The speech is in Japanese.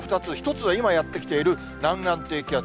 １つは今やって来ている南岸低気圧。